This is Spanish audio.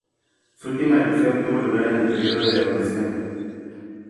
Su última erupción tuvo lugar en el periodo del Holoceno.